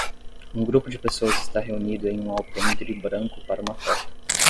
Um grupo de pessoas está reunido em um alpendre branco para uma foto.